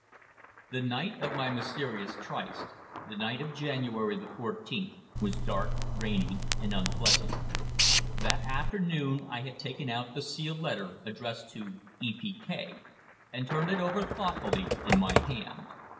The night of my mysterious tryst the night of January the fourteenth was dark, rainy, and unpleasant. That afternoon I had taken out the sealed letter addressed to "E. P. K." and turned it over thoughtfully in my hand.